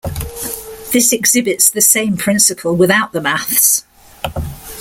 This exhibits the same principle without the maths.